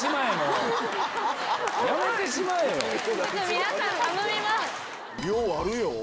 皆さん頼みます！